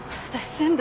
全部。